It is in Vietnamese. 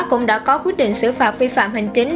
cũng đã có quyết định xử phạt vi phạm hành chính